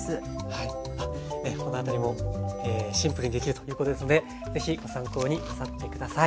はいこのあたりもシンプルにできるということですのでぜひご参考になさって下さい。